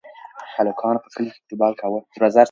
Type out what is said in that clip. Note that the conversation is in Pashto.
هلکانو په کلي کې فوټبال کاوه.